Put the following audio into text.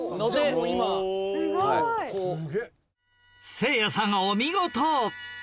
せいやさんお見事